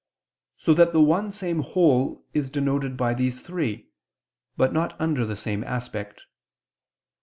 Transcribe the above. So that the one same whole is denoted by these three, but not under the same aspect.